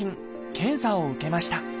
検査を受けました。